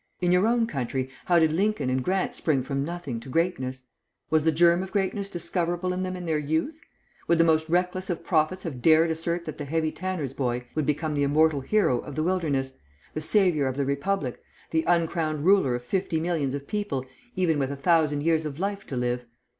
In your own country, how did Lincoln and Grant spring from nothing to greatness? Was the germ of greatness discoverable in them in their youth? Would the most reckless of prophets have dared assert that the heavy tanner's boy would become the immortal hero of the Wilderness, the saviour of the Republic, the uncrowned ruler of fifty millions of people even with a thousand years of life to live?